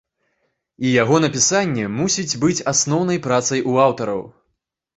І яго напісанне мусіць быць асноўнай працай у аўтараў.